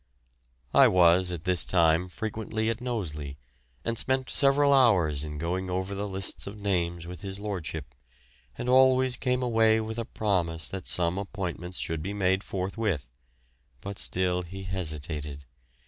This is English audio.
I was at this time frequently at Knowsley, and spent hours in going over lists of names with his lordship, and always came away with a promise that some appointments should be made forthwith, but still he hesitated.